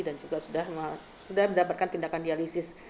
dan juga sudah mendapatkan tindakan dialisis